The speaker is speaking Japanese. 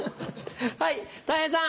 はいたい平さん。